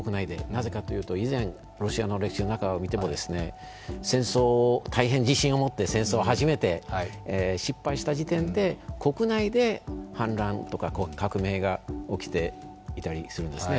なぜかというと以前、ロシアの歴史の中をみてみても、最初は、大変自信を持って戦争を始めて、失敗した時点で国内で反乱とか革命が起きていたりするんですね。